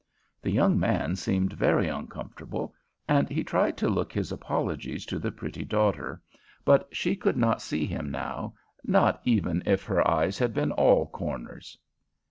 The young man seemed very uncomfortable, and he tried to look his apologies to the pretty daughter, but she could not see him now, not even if her eyes had been all corners.